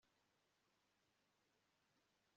tom yahinduye icyuma gikonjesha maze inzu itangira gukonja